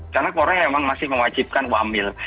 karena korea memang masih mewajibkan satu mil